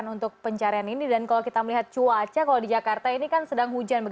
untuk pencarian ini dan kalau kita melihat cuaca kalau di jakarta ini kan sedang hujan